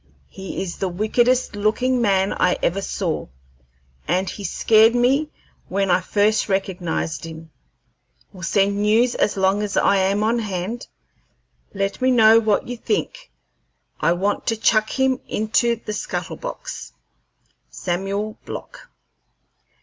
He is the wickedest looking man I ever saw, and he scared me when I first recognized him. Will send news as long as I am on hand. Let me know what you think. I want to chuck him into the scuttle box. "SAMUEL BLOCK."